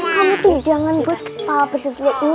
kamu tuh jangan buat setelah peserta ini